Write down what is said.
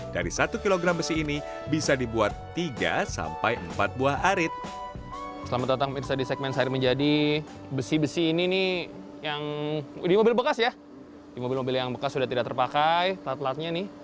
dari satu kg besi ini bisa dibuat tiga sampai empat buah arit